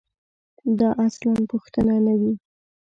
دا اصلاً پوښتنه نه وي.